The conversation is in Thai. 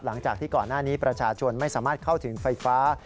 หลังจากที่ก่อนหน้านี้ประชาชนไม่สามารถเข้าถึงไฟฟ้า